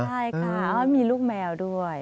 ใช่ค่ะมีลูกแมวด้วย